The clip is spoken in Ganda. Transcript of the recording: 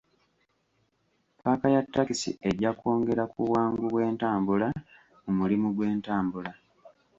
Paaka ya takisi ejja kwongera ku bwangu bw'entambula mu mulimu gw'entambula.